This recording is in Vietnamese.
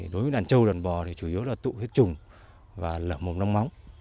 đối với đàn châu đàn bò thì chủ yếu là tụ hết trùng và lợi mồm nông móng